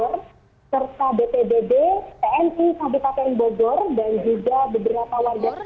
serta bpbd tni kabupaten bogor dan juga beberapa warga